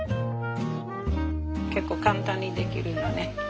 結構簡単にできるのね。